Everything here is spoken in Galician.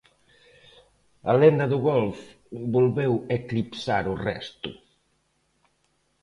A lenda do golf volveu eclipsar o resto.